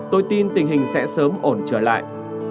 tôi tin tình hình sẽ sớm ổn trở lại